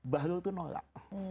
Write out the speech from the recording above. bahlul itu nolak